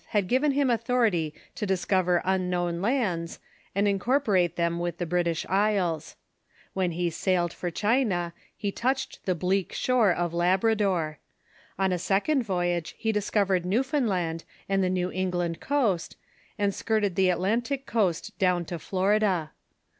had given him authority to discover unknown lands, and incorporate them with the British Isles. While he sailed for China, he touched the bleak shore of Labrador. On a sec ond voyage he discovered Newfoundland and the New Eng land coast, and skirted the Atlantic coast down to Florida.